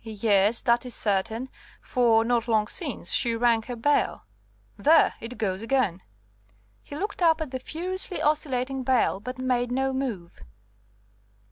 Yes, that is certain, for not long since she rang her bell. There, it goes again." He looked up at the furiously oscillating bell, but made no move.